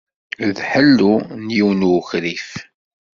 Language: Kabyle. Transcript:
D ḥellu n yiwen n ukrif.